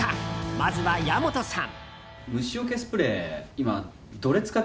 まずは矢本さん。